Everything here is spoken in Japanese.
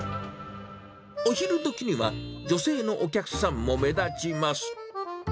お昼どきには女性のお客さんも目立ちます。